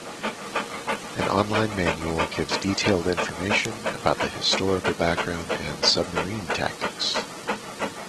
An on-line manual gives detailed information about the historical background and submarine tactics.